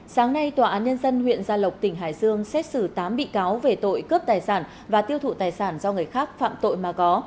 sáng nay tòa án nhân dân huyện gia lộc tỉnh hải dương xét xử tám bị cáo về tội cướp tài sản và tiêu thụ tài sản do người khác phạm tội mà có